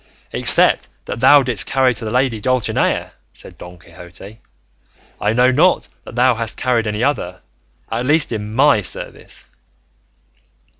"Except that thou didst carry to the lady Dulcinea," said Don Quixote, "I know not that thou hast carried any other, at least in my service."